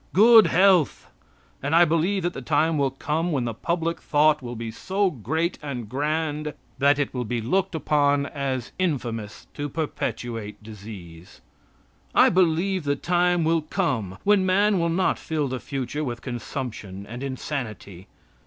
Good health! And I believe that the time will come when the public thought will be so great and grand that it will be looked upon as infamous to perpetuate disease. I believe the time will come when man will not fill the future with consumption and insanity.